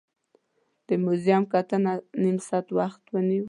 د موزیم کتنه نیم ساعت وخت ونیو.